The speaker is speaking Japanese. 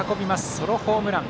ソロホームラン。